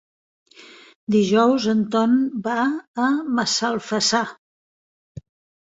Dijous en Ton va a Massalfassar.